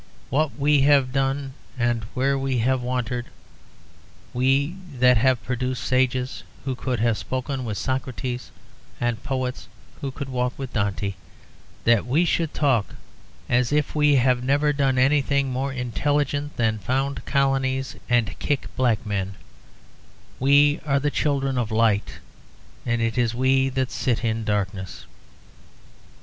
What have we done, and where have we wandered, we that have produced sages who could have spoken with Socrates and poets who could walk with Dante, that we should talk as if we have never done anything more intelligent than found colonies and kick niggers? We are the children of light, and it is we that sit in darkness.